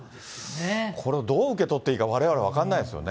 これをどう受け取っていいか、われわれ分かんないですよね。